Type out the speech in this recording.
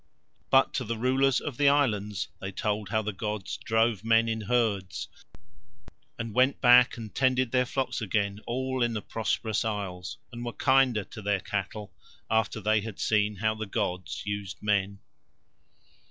But to the rulers of the Islands they told how the gods drove men in herds; and went back and tended their flocks again all in the Prosperous Isles, and were kinder to their cattle after they had seen how that the gods used men.